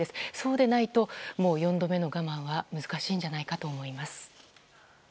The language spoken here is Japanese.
そうでないと４度目の我慢は難しいんじゃないかと思います。